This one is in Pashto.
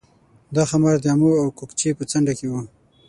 دا ښار د امو او کوکچې په څنډه کې و